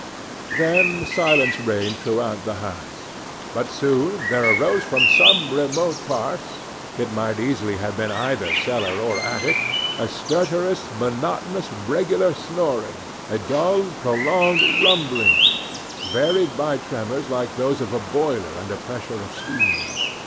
Then silence reigned throughout the house. But soon there arose from some remote part it might easily have been either cellar or attic a stertorous, monotonous, regular snoring, a dull, prolonged rumbling, varied by tremors like those of a boiler under pressure of steam.